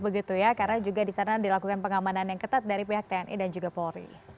begitu ya karena juga di sana dilakukan pengamanan yang ketat dari pihak tni dan juga polri